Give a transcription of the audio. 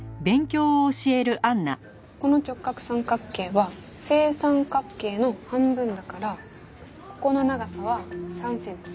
この直角三角形は正三角形の半分だからここの長さは３センチ。